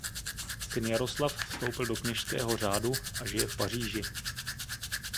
Syn Jaroslav vstoupil do kněžského řádu a žije v Paříži.